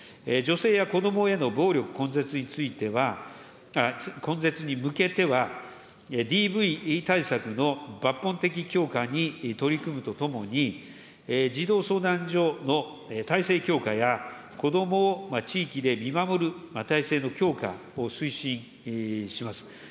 女性や子どもへの暴力根絶については、根絶に向けては、ＤＶ対策の抜本的強化に取り組むとともに、児童相談所の体制強化や、子どもを地域で見守る体制の強化を推進します。